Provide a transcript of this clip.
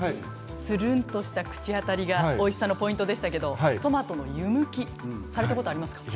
つるんとした口当たりがおいしさのポイントですがトマトの湯むきはされたことありますか？